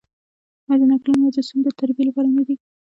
آیا د نکلونو مجلسونه د تربیې لپاره نه دي؟